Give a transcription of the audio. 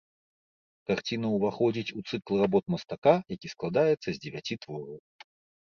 Карціна ўваходзіць у цыкл работ мастака, які складаецца з дзевяці твораў.